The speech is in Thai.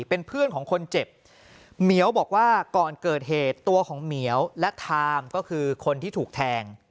เป็นเพื่อนของคนเจ็บเหมียวบอกว่าก่อนเกิดเหตุตัวของเหมียวและทามก็คือคนที่ถูกแทง